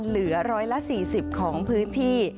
เหลือ๑๔๐ของพื้นที่